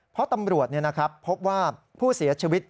เพราะตำรวจพบว่าผู้เสียชีวิต